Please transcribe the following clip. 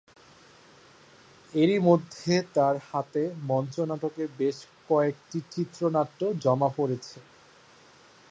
এরই মধ্যে তাঁর হাতে মঞ্চ নাটকের বেশ কয়েকটি চিত্রনাট্য জমা পড়েছে।